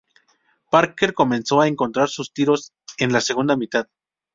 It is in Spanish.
Parker comenzó a encontrar sus tiros en la segunda mitad.